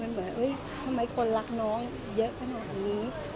ตัวเนี้ยคือคนรักน้องเยอะขนาดนี้